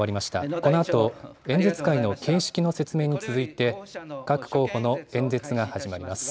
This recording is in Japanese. このあと、演説会の形式の説明に続いて、各候補の演説が始まります。